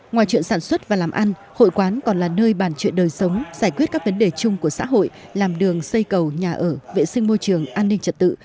ngoài chuyện sản xuất và làm ăn hội quán còn là nơi bàn chuyện đời sống giải quyết các vấn đề chung của xã hội làm đường xây cầu nhà ở vệ sinh môi trường an ninh trật tự